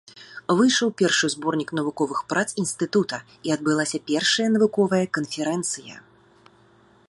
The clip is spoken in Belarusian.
Выйшаў першы зборнік навуковых прац інстытута і адбылася першая навуковая канферэнцыя.